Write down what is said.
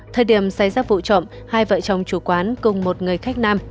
thời điểm xảy ra vụ trộm hai vợ chồng chủ quán cùng một người khách nam